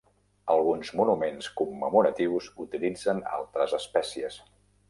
Alguns monuments commemoratius utilitzen altres espècies.